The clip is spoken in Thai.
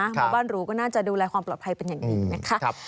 หมอบ้านหรูก็น่าจะดูแลความปลอดภัยเป็นอย่างดีนะคะ